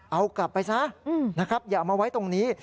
เอากลับไปซะอย่าเอามาไว้ตรงนี้